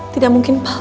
tidak mungkin palsu